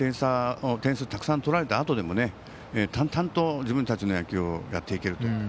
点数たくさん取られたあとでも淡々と自分たちの野球をやっていけると。